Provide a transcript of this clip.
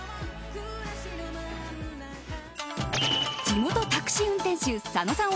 地元タクシー運転手佐野さん